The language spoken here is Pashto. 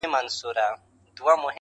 چی یوه بل ته خر وایی سره خاندي -